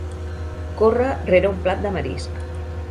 Corre rere un plat de marisc.